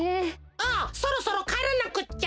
おおそろそろかえらなくっちゃ。